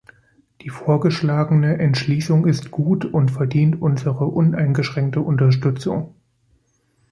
Die vorgeschlagene Entschließung ist gut und verdient unsere uneingeschränkte Unterstützung.